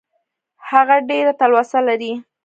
هغه ډېره تلوسه لري .